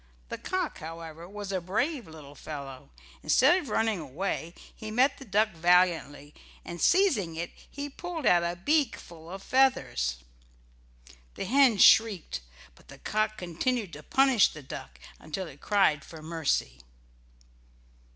The cock, however, was a brave little fellow. Instead of running away he met the duck valiantly, and seizing it he pulled out a beakful of feathers. The hen shrieked, but the cock continued to punish the duck until it cried for mercy.